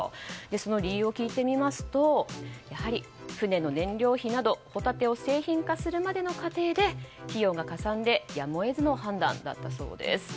その理由を聞いてみますとやはり船の燃料費などホタテを製品化するまでの過程で費用がかさんでやむを得ずの判断だったそうです。